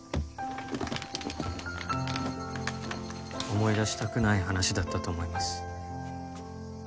思い出したくない話だったと思います。